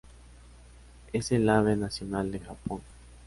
Es el ave nacional de Japón.